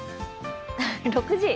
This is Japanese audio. ６時？